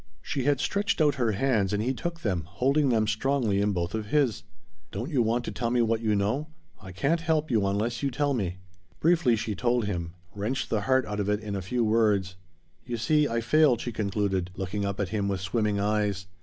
She had stretched out her hands, and he took them, holding them strongly in both of his. "Don't you want to tell me what you know? I can't help you unless you tell me." Briefly she told him wrenched the heart out of it in a few words. "You see, I failed," she concluded, looking up at him with swimming eyes.